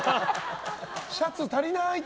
シャツ足りないって。